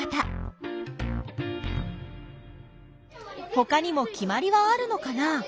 ほかにもきまりはあるのかな？